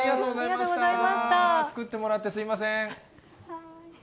作ってもらってすみません。